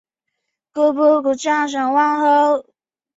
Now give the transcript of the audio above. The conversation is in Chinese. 拉热伊翁。